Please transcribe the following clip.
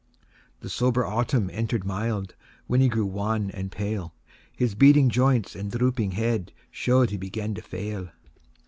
V. The sober autumn enter'd mild, When he grew wan and pale; His beading joints and drooping head Show'd he began to fail.